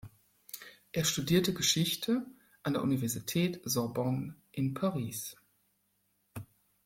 Er studierte Geschichte an der Universität Sorbonne in Paris.